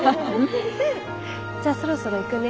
じゃあそろそろ行くね。